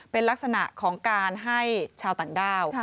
เป็นลักษณะของการให้ชาวต่างด้าว